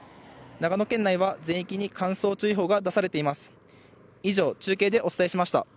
長野県内は、全域に乾燥注意報が出されています。